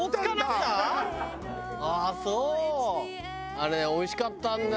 あれおいしかったんだよ。